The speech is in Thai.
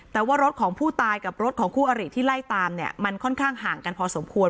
แต่ว่ารถของผู้ตายกับรถของคู่อริที่ไล่ตามเนี่ยมันค่อนข้างห่างกันพอสมควร